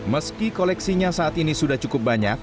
meski koleksinya saat ini sudah cukup banyak